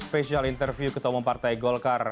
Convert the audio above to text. special interview ketemu partai golkar